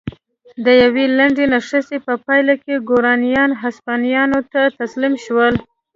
د یوې لنډې نښتې په پایله کې ګورانیان هسپانویانو ته تسلیم شول.